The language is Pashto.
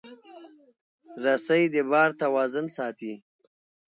رسۍ د بار توازن ساتي.